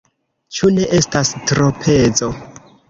Ĉu ne estas tropezo?